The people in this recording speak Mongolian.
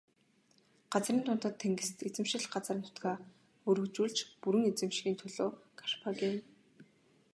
Газрын дундад тэнгист эзэмшил газар нутгаа өргөжүүлж бүрэн эзэмшихийн төлөө Карфаген.